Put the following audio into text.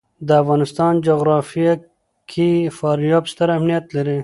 د افغانستان جغرافیه کې فاریاب ستر اهمیت لري.